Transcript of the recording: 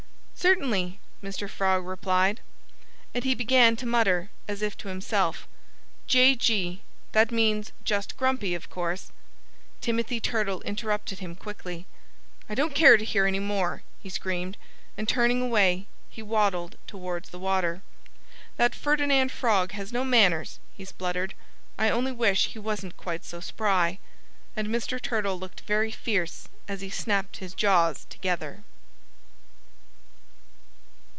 "Certainly!" Mr. Frog replied. And he began to mutter, as if to himself, "J. G. that means just grumpy, of course " Timothy Turtle interrupted him quickly. "I don't care to hear any more," he screamed. And turning away, he waddled towards the water. "That Ferdinand Frog has no manners," he spluttered. "I only wish he wasn't quite so spry." And Mr. Turtle looked very fierce as he snapped his jaws together.